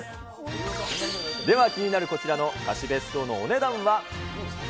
では気になるこちらの貸し別荘のお値段は。